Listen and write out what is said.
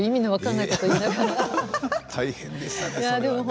大変でしたね。